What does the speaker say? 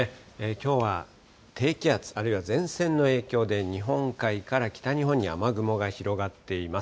きょうは低気圧あるいは前線の影響で日本海から北日本に雨雲が広がっています。